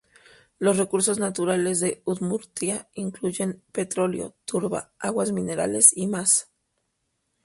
Los recursos naturales de Udmurtia incluyen petróleo, turba, aguas minerales y más.